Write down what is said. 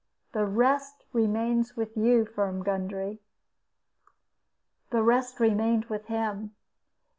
The rest remains with you, Firm Gundry." The rest remained with him.